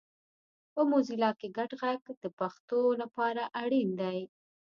په موزیلا کې ګډ غږ د پښتو لپاره اړین دی